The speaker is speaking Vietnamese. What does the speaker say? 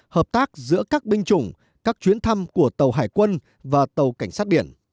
hợp tác giữa các binh chủng các chuyến thăm của tàu hải quân và tàu cảnh sát biển